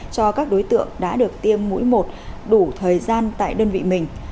cho các đối tượng đã được tiêm mũi một đủ thời gian tại đơn vị mình